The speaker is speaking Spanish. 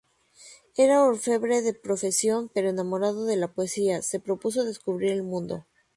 Era orfebre de profesión, pero enamorado de la poesía, se propuso descubrir el mundo.